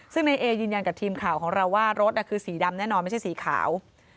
ซึ่งในเอยืนยันกับทีมข่าวของเราว่ารถคือสีดำแน่นอนไม่ใช่สีขาว